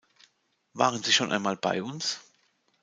Waren Sie schon einmal bei uns?